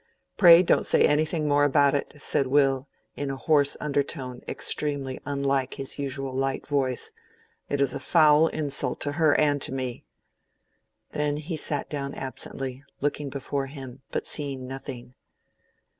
"Pray don't say any more about it," said Will, in a hoarse undertone extremely unlike his usual light voice. "It is a foul insult to her and to me." Then he sat down absently, looking before him, but seeing nothing.